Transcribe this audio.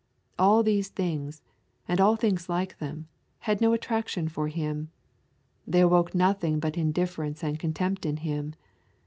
All these things, and all things like them, had no attraction for Him; they awoke nothing but indifference and contempt in him.